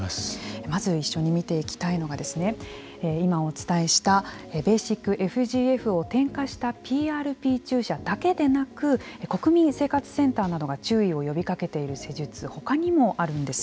まず、一緒に見ていきたいのが今お伝えした、ｂＦＧＦを添加したＰＲＰ注射だけでなく国民生活センターなどが注意を呼びかけている施術他にもあるんです。